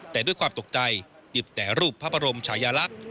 แต่ด้วยความตกใจหยิบแต่รูปพระบรมชายลักษณ์